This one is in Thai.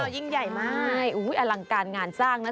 ยิ่งใหญ่มากอลังการงานสร้างนะ